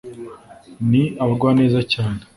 ni abagwaneza cyane